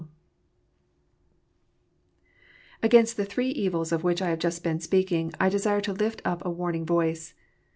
Against the three evils of which I have just been speaking, I desire to lift up a warning voice.